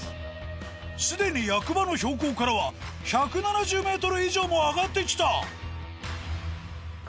すでに役場の標高からは１７０ｍ以上も上がって来た